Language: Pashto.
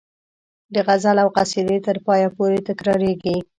د غزل او قصیدې تر پایه پورې تکراریږي.